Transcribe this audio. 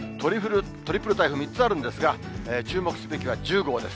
トリプル台風、３つあるんですが、注目すべきは１０号です。